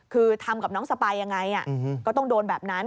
คือทำกับน้องสปายยังไงก็ต้องโดนแบบนั้น